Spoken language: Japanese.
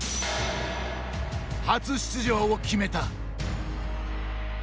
初出場を決めた。